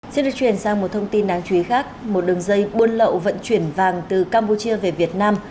xin được chuyển sang một thông tin đáng chú ý khác một đường dây buôn lậu vận chuyển vàng từ campuchia về việt nam